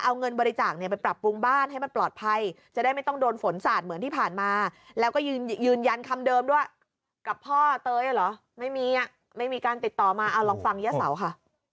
เอาเงินบริจาคเนี่ยไปปรับปรุงบ้านให้มันปลอดภัยจะได้ไม่ต้องโดนฝนสาดเหมือนที่ผ่านมาแล้วก็ยืนยันคำเดิมด้วยกับพ่อเตยเหรอไม่มีอ่ะไม่มีการติดต่อมาเอาลองฟังย่าเสาค่ะ